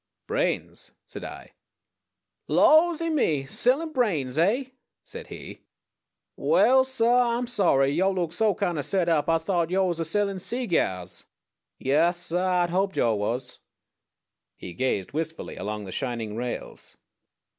"Brains," said I. "Lawsy me! Sellin' brains, eh?" said he. "Waal, suh, Ah'm sorry. Yo' look so kind o' set up Ah thought yo' was a sellin' seegyars. Yaas, suh Ah'd hoped yo' was." He gazed wistfully along the shining rails.